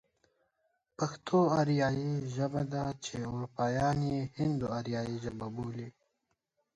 پښتو آريايي ژبه ده چې اروپايان يې هند و آريايي بولي.